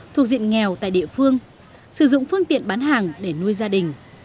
thuộc diện nghèo tại địa phương sử dụng phương tiện bán hàng để nuôi gia đình